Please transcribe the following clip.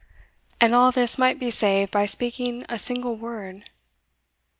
And all this might be saved by speaking a single word.